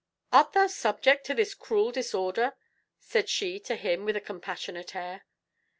"Art thou subject to this cruel disorder?" said she to him with a compassionate air.